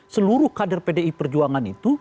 seluruh kader pdi perjuangan itu